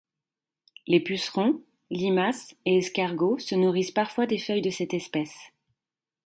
Les pucerons, limaces et escargots se nourrissent parfois des feuilles de cette espèce.